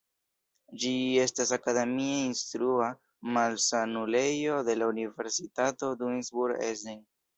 Ĝi estas akademie instrua malsanulejo de la Universitato Duisburg-Essen.